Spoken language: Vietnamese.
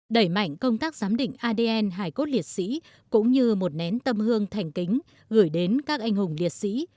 đẩy mạnh công tác giám định adn hải cốt liệt sĩ cũng như một nén tâm hương thành kính gửi đến các anh hùng liệt sĩ